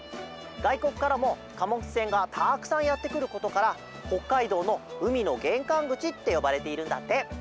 がいこくからもかもつせんがたくさんやってくることからほっかいどうのうみのげんかんぐちってよばれているんだって。